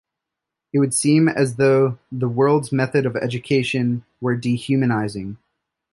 It would seem as though the world's method of education were dehumanizing.